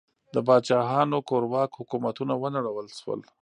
د پاچاهانو کورواک حکومتونه ونړول شول.